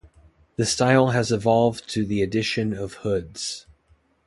The style has evolved to the addition of hoods.